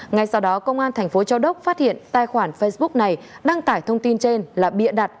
ngay sau đó công an thành phố châu đốc phát hiện tài khoản facebook này đăng tải thông tin trên là bịa đặt